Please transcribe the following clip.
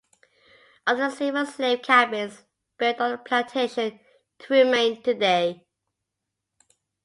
Of the several slave cabins built on the plantation, two remain today.